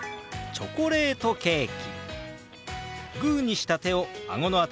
チョコレートケーキ。